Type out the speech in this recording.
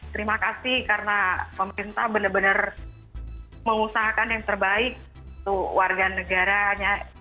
terima kasih karena pemerintah benar benar mengusahakan yang terbaik untuk warga negaranya